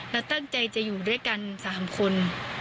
แล้วตั้งใจจะอยู่ด้วยกัน๓คน